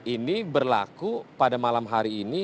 ini berlaku pada malam hari ini